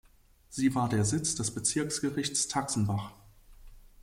Sie war Sitz des Bezirksgerichts Taxenbach.